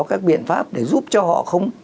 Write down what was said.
các biện pháp để giúp cho họ không